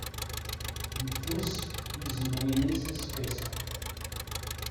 Yefres tizemmrin-is aseggas-a.